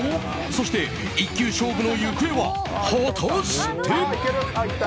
そして一球勝負の行方は果たして。